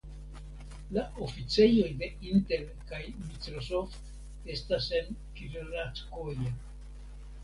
La oficejoj de Intel kaj Microsoft estas en Krilackoje.